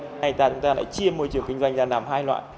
ngày nay chúng ta lại chia môi trường kinh doanh ra làm hai loại